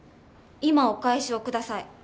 今お返しをください。